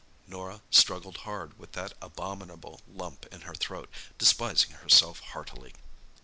Norah struggled hard with that abominable lump in her throat, despising herself heartily.